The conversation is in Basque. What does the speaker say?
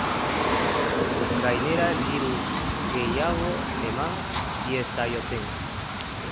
Gainera, diru gehiago eman diezaioten.